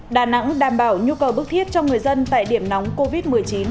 đà nẵng đảm bảo nhu cầu bức thiết cho người dân tại điểm nóng covid một mươi chín